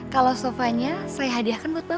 kalau sofanya saya hadiahkan buat bapak